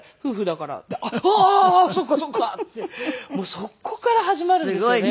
そこから始まるんですよね。